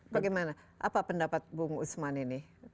bagaimana apa pendapat bung usman ini